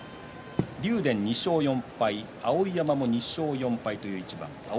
竜電、２勝４敗碧山も１勝４敗という一番です。